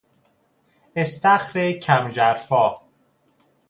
استخر کم ژرفا